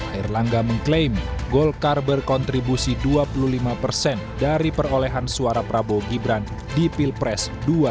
air langga mengklaim golkar berkontribusi dua puluh lima persen dari perolehan suara prabowo gibran di pilpres dua ribu sembilan belas